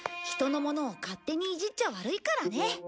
人のものを勝手にいじっちゃ悪いからね。